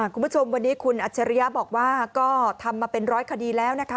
คุณผู้ชมวันนี้คุณอัจฉริยะบอกว่าก็ทำมาเป็นร้อยคดีแล้วนะคะ